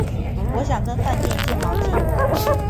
我想跟饭店借毛巾